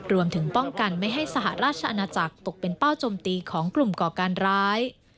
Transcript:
รวมถึงป้องกันไม่ให้สหราชอาณาจักรตกเป็นเป้าจมตีของกลุ่มก่อการร้าย